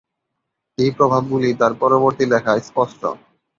এই প্রভাবগুলি তার পরবর্তী লেখায় স্পষ্ট।